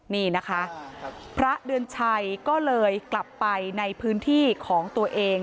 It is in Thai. นี่นะคะพระเดือนชัยก็เลยกลับไปในพื้นที่ของตัวเอง